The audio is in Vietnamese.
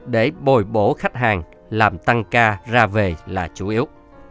để bồi bổ khách hàng làm tăng ca ra về là chủ yếu